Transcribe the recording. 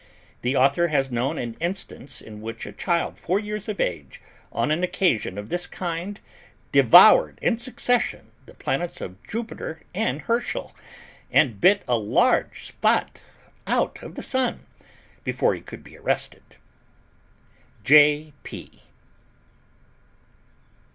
The author has known an instance in which a child four years of age, on an occasion of this kind, devoured in succession the planets Jupiter and Herschel, and bit a large spot out of the Sun before he could be arrested. J.P.